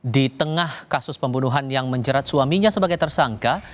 di tengah kasus pembunuhan yang menjerat suaminya sebagai tersangka